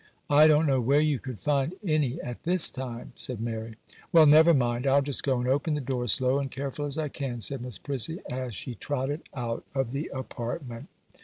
'I don't know where you could find any at this time,' said Mary. 'Well, never mind, I'll just go and open the door as slow and careful as I can,' said Miss Prissy, as she trotted out of the apartment.